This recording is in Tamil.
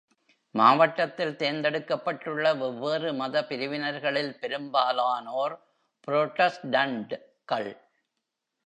மாவட்டத்தில் தேர்ந்தெடுக்கப்பட்டுள்ள வெவ்வேறு மத பிரிவினர்களில் பெரும்பாலானோர் புராட்டஸ்டன்ட்கள்.